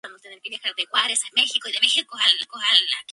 Peinado, ante la situación inestable, ordenó la libertad de los presos.